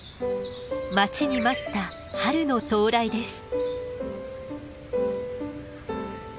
待ちに待った春の到来です。